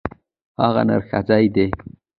هغه نرښځی دی.